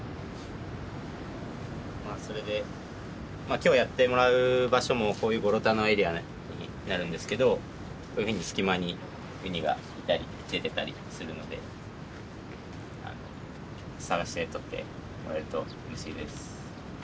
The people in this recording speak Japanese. きょうやってもらう場所もこういうゴロタのエリアになるんですけどこういうふうに隙間にウニがいたり出てたりするので探して取ってもらえるとうれしいです。